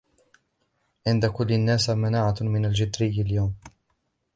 عند كل الناس مناعةٌ من الجدري اليوم.